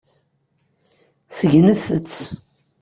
Segnet-t.